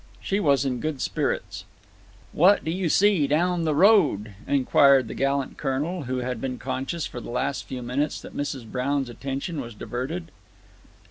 She was in good spirits. "What do you see down the road?" inquired the gallant Colonel, who had been conscious, for the last few minutes, that Mrs. Brown's attention was diverted.